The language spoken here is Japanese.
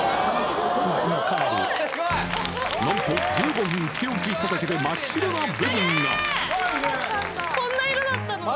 何と１５分つけ置きしただけで真っ白な部分が！